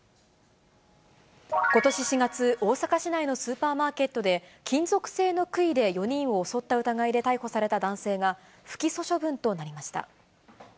ことし４月、大阪市のスーパーマーケットで、金属製のくいで４人を襲った疑いで逮捕された男性が、不起訴処分となりました。